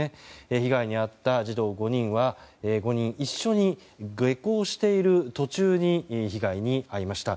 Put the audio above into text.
被害に遭った児童５人は５人一緒に下校している途中に被害に遭いました。